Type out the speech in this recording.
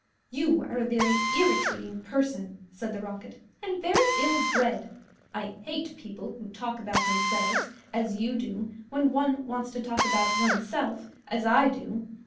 "You are a very irritating person," said the Rocket, "and very ill bred. I hate people who talk about themselves, as you do, when one wants to talk about oneself, as I do.